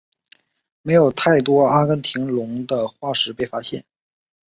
没有太多阿根廷龙的化石被发现。